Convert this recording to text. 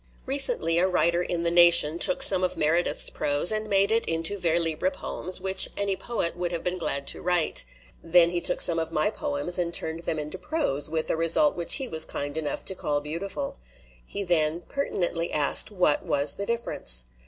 "Recently a writer in The Nation took some of Meredith's prose and made it into vers libre poems which any poet would have been glad to write. Then he took some of my poems and turned them into prose, with a result which he was kind enough to call beautiful. He then pertinently asked what was the difference.